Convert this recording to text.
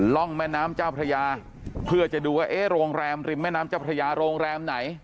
ร่องแม่น้ำเจ้าพระยาเพื่อจะดูว่าเอ๊ะโรงแรมริมแม่น้ำเจ้าพระยาโรงแรมไหน